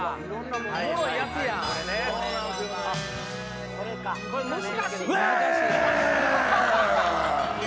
おもろいやつやん！ウェ！